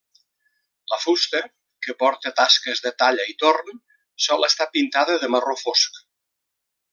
La fusta, que porta tasques de talla i torn, sol estar pintada de marró fosc.